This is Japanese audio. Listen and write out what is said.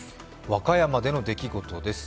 和歌山での出来事です。